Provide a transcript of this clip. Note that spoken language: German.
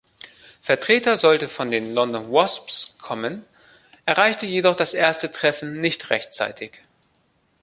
Vertreter sollte von den London Wasps kommen, erreichte jedoch das erste Treffen nicht rechtzeitig.